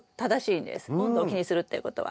温度を気にするっていうことは。